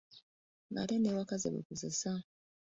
Ng'ate n’ewaka zebakozesa?